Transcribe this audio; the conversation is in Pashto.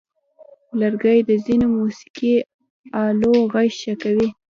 لرګی د ځینو موسیقي آلو غږ ښه کوي.